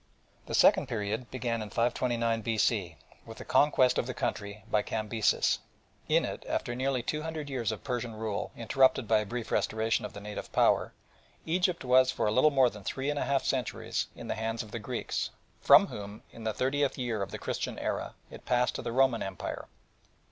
The second period began in 529 B.C. with the conquest of the country by Cambyses. In it after nearly two hundred years of Persian rule, interrupted by a brief restoration of the native power, Egypt was for a little more than three and half centuries in the hands of the Greeks, from whom in the thirtieth year of the Christian Era it passed to the Roman Empire.